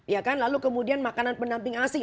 ya kan lalu kemudian makanan pendamping asing